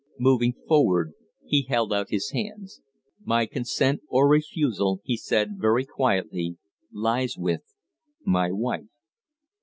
Moving forward, he held out his hands. "My consent or refusal," he said, very quietly, "lies with my wife."